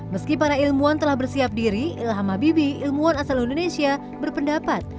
meski para ilmuwan telah bersiap diri ilham habibi ilmuwan asal indonesia berpendapat